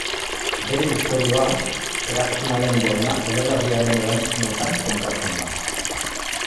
Bere istorioa, Eraztunaren Jauna eleberriaren eranskinetan kontatzen da.